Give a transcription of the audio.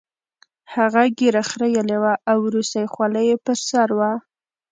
هغه ږیره خریلې وه او روسۍ خولۍ یې په سر وه